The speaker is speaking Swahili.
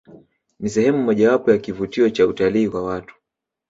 Ni sehemu mojawapo ya kivutio Cha utalii kwa watu